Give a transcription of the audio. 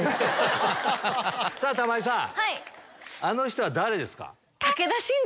玉井さんあの人は誰ですか？